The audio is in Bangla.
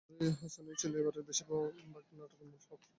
দর্শককে জোর করে হাসানোই ছিল এবারের বেশির ভাগ নাটকের মূল লক্ষ্য।